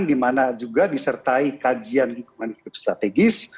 dimana juga disertai kajian lingkungan hidup strategis